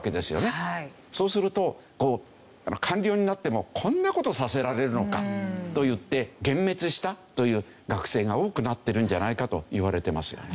そうすると官僚になってもこんな事させられるのかといって幻滅したという学生が多くなってるんじゃないかといわれてますよね。